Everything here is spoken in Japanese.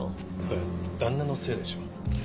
それ旦那のせいでしょ。